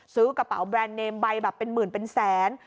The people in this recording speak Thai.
ซื้อกระเป๋าแบรนด์เนมใบแบบเป็นหมื่นเป็นแสน